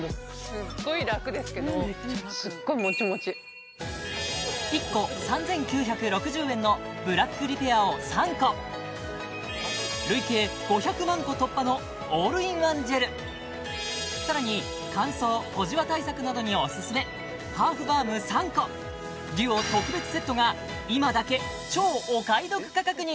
すっごい楽ですけどめっちゃ楽１個３９６０円のブラックリペアを３個累計５００万個突破のオールインワンジェルさらに乾燥・小じわ対策などにおすすめハーフバーム３個ＤＵＯ特別セットが今だけ超お買い得価格に！